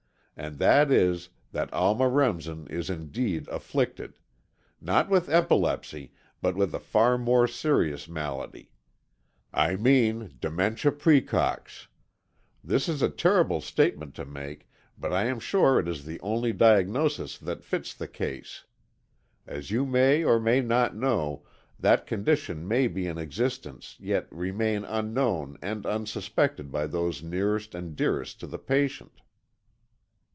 And that is, that Alma Remsen is indeed afflicted. Not with epilepsy but with a far more serious malady. I mean dementia praecox. This is a terrible statement to make, but I am sure it is the only diagnosis that fits the case. As you may or may not know, that condition may be in existence yet remain unknown and unsuspected by those nearest and dearest to the patient."